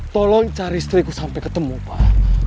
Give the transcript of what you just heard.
tolong cari istriku sampai ketemu pak